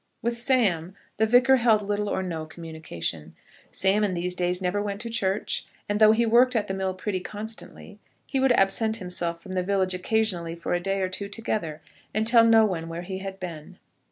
With Sam, the Vicar held little or no communication. Sam in these days never went to church, and though he worked at the mill pretty constantly, he would absent himself from the village occasionally for a day or two together, and tell no one where he had been.